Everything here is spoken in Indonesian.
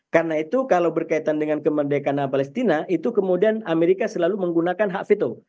karena itu kalau berkaitan dengan kemerdekaan palestina itu kemudian amerika selalu menggunakan hak veto